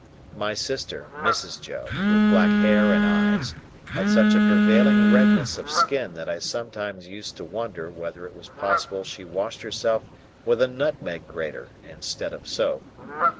My sister, Mrs. Joe, with black hair and eyes, had such a prevailing redness of skin that I sometimes used to wonder whether it was possible she washed herself with a nutmeg grater instead of soap.